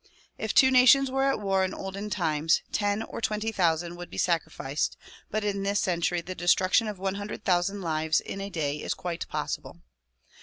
If two nations were at war in olden times, ten or twenty thousand would be sacrificed but in this century the destruction of one hundred thousand lives in a day is quite possible.